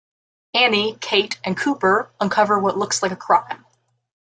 Annie, Kate, and Cooper uncover what looks like a crime.